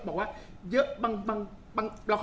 บุ๋มประดาษดาก็มีคนมาให้กำลังใจเยอะ